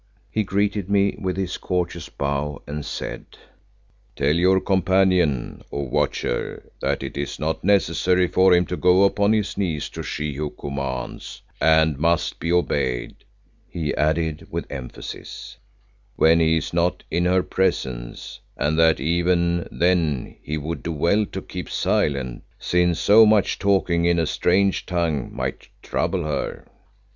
He greeted me with his courteous bow and said, "Tell your companion, O Watcher, that it is not necessary for him to go upon his knees to She who commands—and must be obeyed," he added with emphasis, "when he is not in her presence, and that even then he would do well to keep silent, since so much talking in a strange tongue might trouble her."